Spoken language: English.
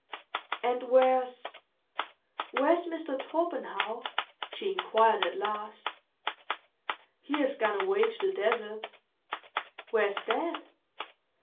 "And where's—where's Mr. Torpenhow?" she inquired at last. "He has gone away to the desert." "Where's that?"